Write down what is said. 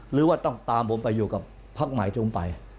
หรือว่าต้องตามผมไปอยู่กับพักใหม่จมไป